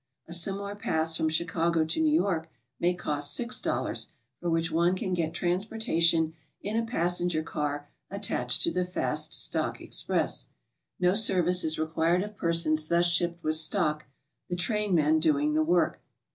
A similar pass from Chicago to New York may cost $6, for which one can get transportation in a passenger car attached to the 52 GOING ABROAD? fast stock express. No service is required of persons thus shipped with stock, the trainmen doing the work.